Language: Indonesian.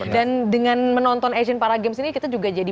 dan dengan menonton asian paragames ini kita juga jadi